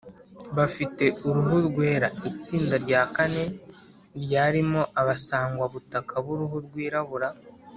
bafite uruhu rwera; itsinda rya kane, ryarimo abasangwabutaka b’uruhu rwirabura